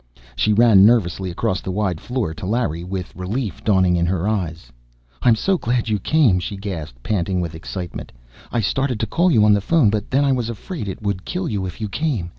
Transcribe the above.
She ran nervously across the wide floor to Larry, with relief dawning in her eyes. "I'm so glad you came!" she gasped, panting with excitement. "I started to call you on the phone, but then I was afraid it would kill you if you came!